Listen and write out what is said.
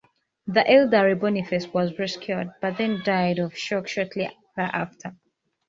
The elderly Boniface was rescued, but then died of shock shortly thereafter.